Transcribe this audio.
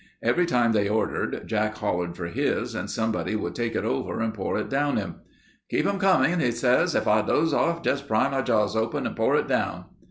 Every time they ordered, Jack hollered for his and somebody would take it over and pour it down him. 'Keep 'em comin',' he says. 'If I doze off, just pry my jaws open and pour it down.